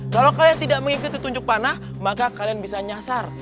kalau kalian tidak mengikuti tunjuk panah maka kalian bisa nyasar